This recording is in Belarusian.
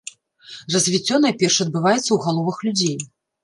Развіццё найперш адбываецца ў галовах людзей.